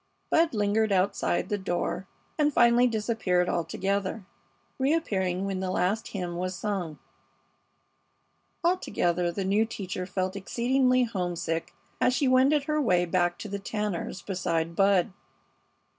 Bud lingered outside the door and finally disappeared altogether, reappearing when the last hymn was sung. Altogether the new teacher felt exceedingly homesick as she wended her way back to the Tanners' beside Bud.